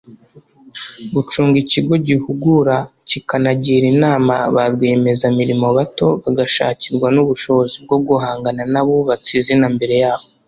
Gucunga ikigo gihugura kikanagira inama ba rwiyemezamirimo bato bagashakirwa n’ubushobozi bwo guhangana nabubatse izina mbere yabo.